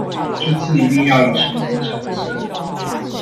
這次一定要有成果產生